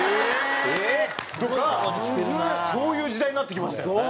そういう時代になってきましたよ。